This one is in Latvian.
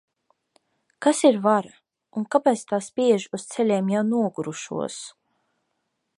Kas ir vara, un kāpēc tā spiež uz ceļiem jau nogurušos?